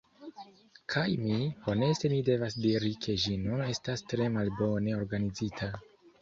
Kaj mi… Honeste mi devas diri ke ĝi nun estas tre malbone organizita.